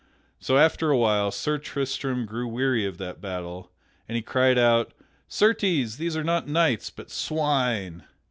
So after a while Sir Tristram grew weary of that battle, and he cried out, "Certes, these are not knights, but swine!"